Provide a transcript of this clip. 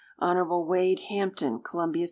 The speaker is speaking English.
Hon. Wade Hampton, Columbia, S.